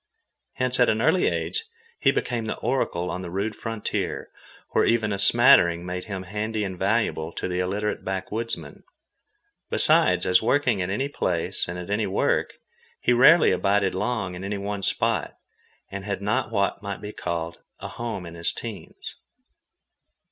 Hence at an early age he became the oracle on the rude frontier, where even a smattering made him handy and valuable to the illiterate backwoodsmen. Besides, as working at any place and at any work, he rarely abided long in any one spot, and had not what might be called a home in his teens.